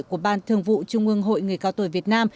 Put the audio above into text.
của ban thường vụ trung ương hội người cao tuổi việt nam